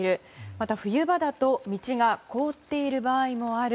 また、冬場だと道が凍っている場合もある。